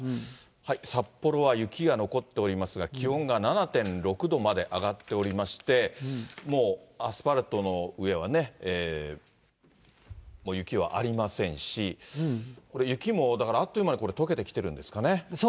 札幌は雪が残っておりますが、気温が７．６度まで上がっておりまして、もうアスファルトの上はね、雪はありませんし、これ、雪もだから、あっという間にとけてきてるんですかね。